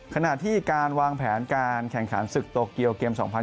ขณะที่การวางแผนการแข่งขันศึกโตเกียวเกม๒๐๑๖